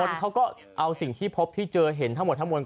คนเขาก็เอาสิ่งที่พบที่เจอเห็นทั้งหมดทั้งมวล